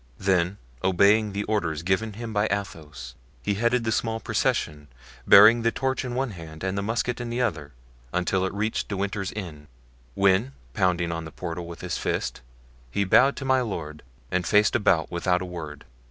Then obeying the orders given him by Athos, he headed the small procession, bearing the torch in one hand and the musket in the other, until it reached De Winter's inn, when pounding on the portal with his fist, he bowed to my lord and faced about without a word.